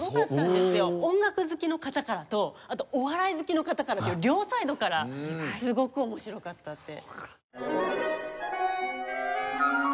音楽好きの方からとあとお笑い好きの方からっていう両サイドからすごく面白かったって。